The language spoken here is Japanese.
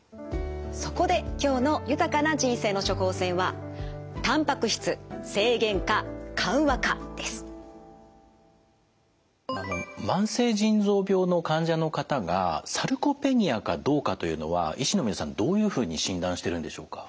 そこで今日の「豊かな人生の処方せん」は慢性腎臓病の患者の方がサルコペニアかどうかというのは医師の皆さんどういうふうに診断してるんでしょうか？